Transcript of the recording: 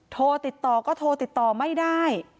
โทรติดต่อก็โทรติดต่อไม่ได้